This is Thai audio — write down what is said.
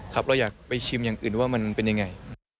เราอยากไปชิมอย่างอื่นว่ามันเป็นยังไง